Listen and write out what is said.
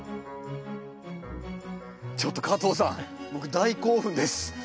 ちょっと加藤さん僕大興奮です。